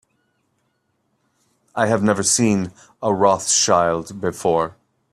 I have never seen a Rothschild before.